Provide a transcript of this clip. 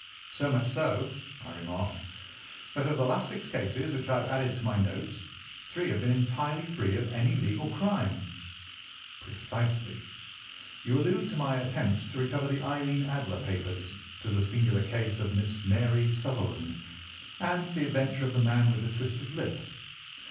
"So much so," I remarked, "that of the last six cases which I have added to my notes, three have been entirely free of any legal crime." "Precisely. You allude to my attempt to recover the Irene Adler papers, to the singular case of Miss Mary Sutherland, and to the adventure of the man with the twisted lip.